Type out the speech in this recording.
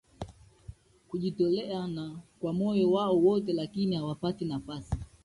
kujitolea na kwa moyo wao wote lakini hawapati nafasi